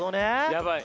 やばい。